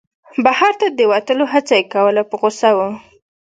بهر ته د وتلو هڅه یې کوله په غوسه و.